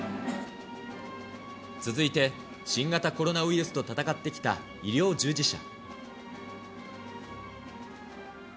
続いて、新型コロナウイルスと闘ってきた医療従事者。